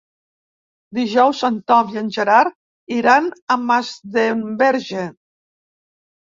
Dijous en Tom i en Gerard iran a Masdenverge.